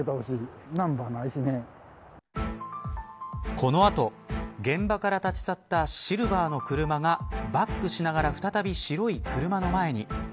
この後、現場から立ち去ったシルバーの車がバックしながら再び白い車の前に。